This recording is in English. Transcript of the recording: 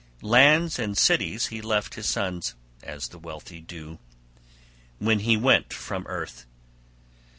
Lands and cities he left his sons (as the wealthy do) when he went from earth.